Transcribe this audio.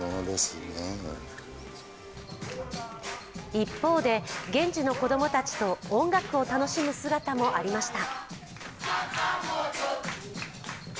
一方で、現地の子供たちと音楽を楽しむ姿もありました。